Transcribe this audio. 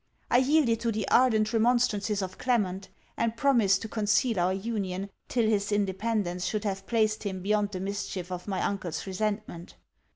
I yielded to the ardent remonstrances of Clement; and promised to conceal our union, till his independence should have placed him beyond the mischief of my uncle's resentment.